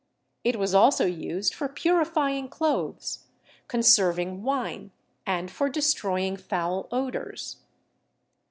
It was also used for purifying clothes, conserv ing wine and for destroying foul odors.